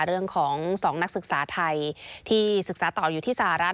เรื่องของ๒นักศึกษาไทยที่ศึกษาต่ออยู่ที่สหรัฐ